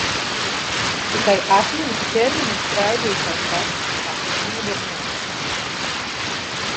Tikai atminu, ka ķermenī skraidīja kaut kas. Tā pilnība ir neaprakstāma.